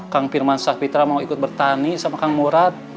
kang pirman sahpitra mau ikut bertani sama kang murad